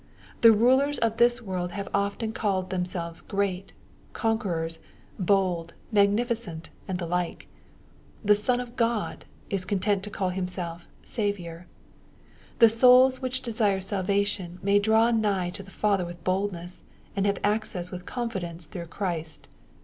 The rulers of this world have often called themselves Great, Conquerors, Bold, Magnificent, and the like. The Son of God is content to call Himself Saviour. The souls which desire salvation may draw nigh to the Father with boldness, and have access with confidence through Christ.